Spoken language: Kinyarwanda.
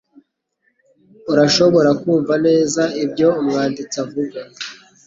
Urashobora kumva neza ibyo umwanditsi avuga?